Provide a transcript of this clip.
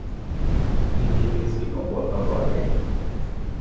A fényképész kigombolta a gallérját.